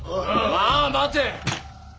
まあ待て！